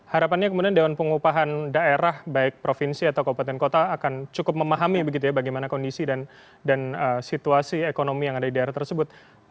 harapannya kemudian dewan pengupahan daerah baik provinsi atau kabupaten kota akan cukup memahami begitu ya bagaimana kondisi dan situasi ekonomi yang ada di daerah tersebut